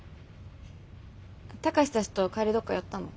貴志たちと帰りどっか寄ったの？